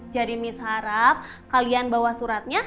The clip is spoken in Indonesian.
jadi mis harap kalian bawa suratnya